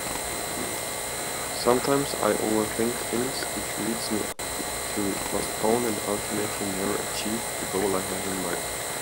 Sometimes I overthink things which leads me to postpone and ultimately never achieve the goal I had in mind.